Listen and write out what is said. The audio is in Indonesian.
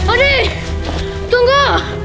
ah arie tunggu